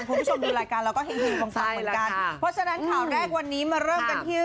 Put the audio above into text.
พู้ชมดูรายการแล้วก็แห่งปังเพราะฉะนั้นข่าวแรกวันนี้มาเริ่มกันที่